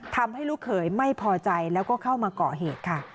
ลูกเขยไม่พอใจแล้วก็เข้ามาเกาะเหตุค่ะ